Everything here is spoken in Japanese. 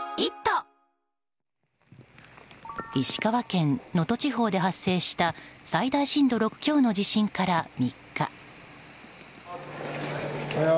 石川県能登地方で発生した最大震度６強の地震から３日。